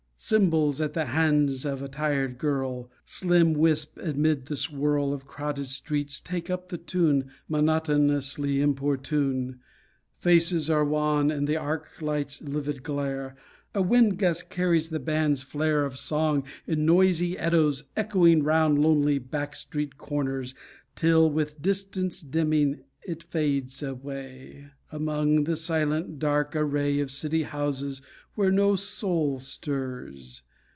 Cymbals, at the hands of a tired girl, Slim wisp amid the swirl Of crowded streets, take up the tune, Monotonously importune. Faces are wan in the arc light's livid glare; A wind gust carries the band's flare Of song, in noisy eddies echoing, Round lonely black street corners, Till, with distance dimming, It fades away, Among the silent, dark array Of city houses where no soul stirs.